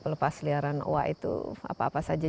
pelepas liaran wah itu apa apa saja